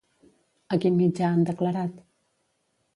A quin mitjà han declarat?